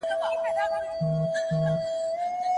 که زده کوونکي په املا کي مسابقه وکړي.